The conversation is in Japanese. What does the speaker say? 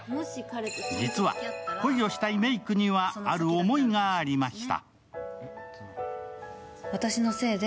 実は恋をしたいめいくにはある思いがありました。